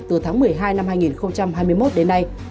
từ tháng một mươi hai năm hai nghìn hai mươi một đến nay